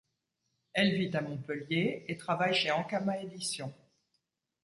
Elle vit à Montpellier, et travaille chez Ankama Éditions.